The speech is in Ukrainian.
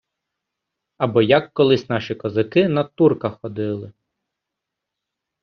- Або як колись наші козаки на турка ходили.